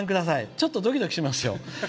ちょっとドキドキしますよ。